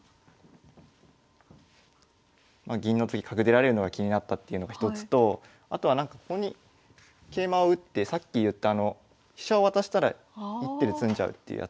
まあ銀の次角出られるのが気になったっていうのが一つとあとはここに桂馬を打ってさっき言った飛車を渡したら１手で詰んじゃうっていうやつですね。